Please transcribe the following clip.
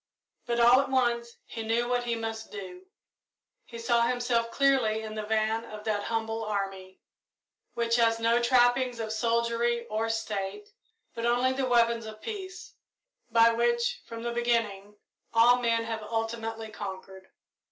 But, all at once, he knew what he must do. He saw himself clearly in the van of that humble army, which has no trappings of soldiery or state, but only the weapons of peace, by which, from the beginning, all men have ultimately conquered.